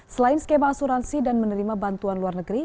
selain skema asuransi dan menerima bantuan luar negeri